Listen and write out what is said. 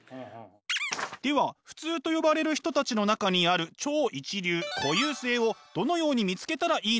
では普通と呼ばれる人たちの中にある「超一流」「固有性」をどのように見つけたらいいのか？